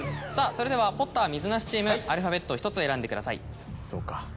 それではｐｏｔｔｅｒ・みずなしチームアルファベットを１つ選んでください。